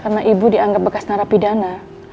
karena ibu dianggap bekas narapidana